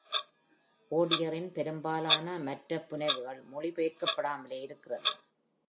Odier-இன் பெரும்பாலான மற்ற புனைவுகள் மொழிபெயர்க்கப்படாமலே இருக்கிறது.